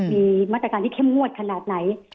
มีมาตรการที่เข้มงวดขนาดไหน